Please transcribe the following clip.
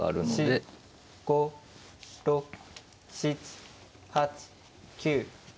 ５６７８９。